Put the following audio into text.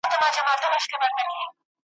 چي شاعر غواړي خپلو لوستونکو او اورېدونکو ته ,